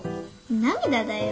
涙だよ。